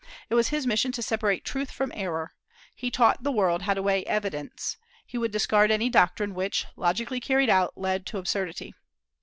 It was his mission to separate truth from error. He taught the world how to weigh evidence. He would discard any doctrine which, logically carried out, led to absurdity.